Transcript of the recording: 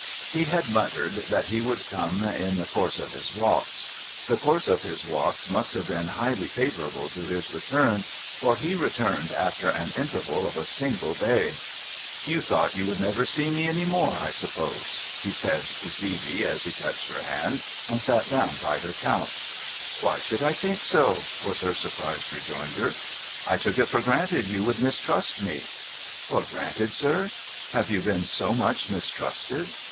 He had muttered that he would come ' in the course of his walks.' The course of his walks must have been highly favourable to his return, for he returned after an interval of a single day. ' You thought you would never see me any more, I suppose ?' he said to Phcebe as he touched her hand, and sat down by her couch. ' Why should I think so ?' was her surprised rejoinder. ' I took it for granted you would mistrust me.' ' For granted, siv ? Have you been so much mistrusted?